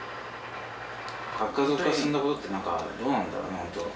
核家族化進んだことってなんかどうなんだろうねほんと。